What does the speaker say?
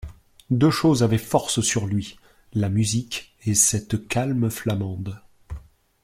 Deux choses avaient force sur lui, la musique et cette calme Flamande.